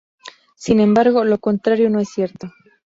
Sin embargo, lo contrario no es cierto.